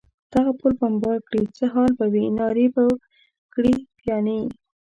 دغه پل بمبار کړي، څه حال به وي؟ نارې مې کړې: پیاني.